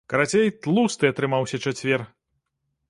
Карацей, тлусты атрымаўся чацвер!